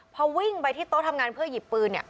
พอวิ่งไปที่โต๊ะทำงานเพื่อหยิบปืนเนี่ย